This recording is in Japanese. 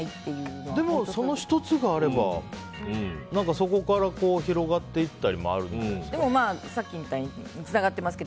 でも、その１つがあればそこから広がっていったりもあるんじゃないですか。